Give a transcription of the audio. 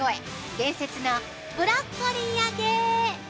伝説のブロッコリー揚げ。